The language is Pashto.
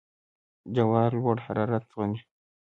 جوار لوړ حرارت زغمي.